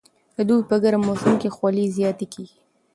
د دوبي په ګرم موسم کې خولې زیاتې کېږي.